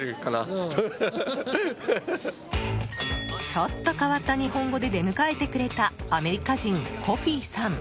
ちょっと変わった日本語で出迎えてくれたアメリカ人コフィさん。